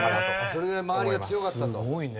それぐらい周りが強かったと。